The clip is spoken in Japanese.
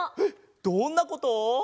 どんなこと？